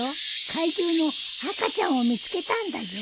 怪獣の赤ちゃんを見つけたんだじょ。